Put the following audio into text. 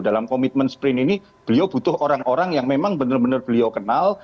dalam komitmen sprint ini beliau butuh orang orang yang memang benar benar beliau kenal